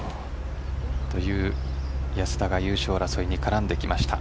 という安田が優勝争いに絡んできました。